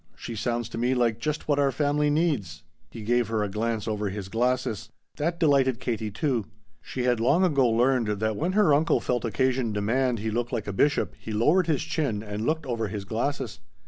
She sounds to me like just what our family needs." He gave her a glance over his glasses that delighted Katie, too; she had long ago learned that when her uncle felt occasion demand he look like a bishop he lowered his chin and looked over his glasses.